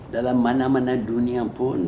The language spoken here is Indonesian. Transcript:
dalam mana mana dunia pun